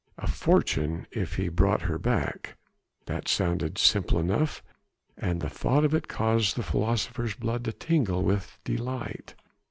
A fortune if he brought her back! That sounded simple enough, and the thought of it caused the philosopher's blood to tingle with delight.